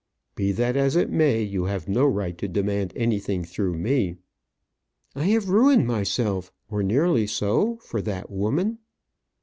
"Be that as it may, you have no right to demand anything through me." "I have ruined myself or nearly so, for that woman."